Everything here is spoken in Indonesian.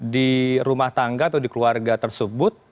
di rumah tangga atau di keluarga tersebut